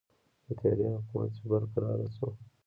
د تیارې حکومت چې برقراره شو.